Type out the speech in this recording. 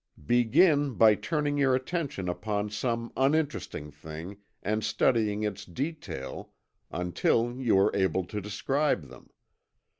Begin by turning your attention upon some uninteresting thing and studying its details until you are able to describe them.